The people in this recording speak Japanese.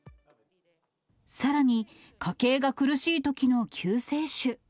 さらに、家計が苦しいときの救世主。